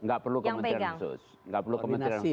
gak perlu kementerian khusus